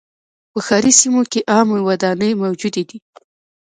په ښاري سیمو کې عامه ودانۍ موجودې وې.